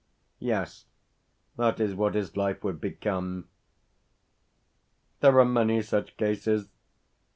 Yes, that is what his life would become. There are many such cases.